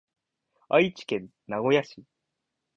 愛知県名古屋市